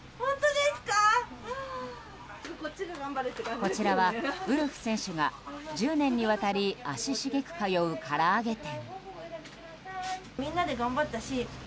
こちらはウルフ選手が１０年にわたり足しげく通う、から揚げ店。